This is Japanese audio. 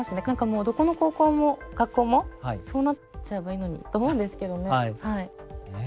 何かもうどこの高校も学校もそうなっちゃえばいいのにと思うんですけどね。